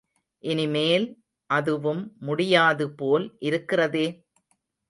இனிமேல் அதுவும் முடியாதுபோல் இருக்கிறதே?